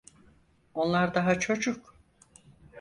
Onlar daha çocuk.